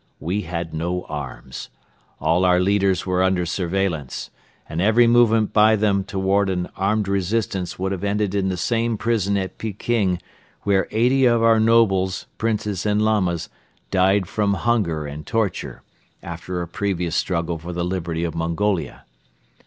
We had no arms. All our leaders were under surveillance and every movement by them toward an armed resistance would have ended in the same prison at Peking where eighty of our Nobles, Princes and Lamas died from hunger and torture after a previous struggle for the liberty of Mongolia.